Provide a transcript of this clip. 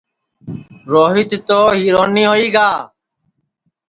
روتیا تو ہیرونی ہوئی گا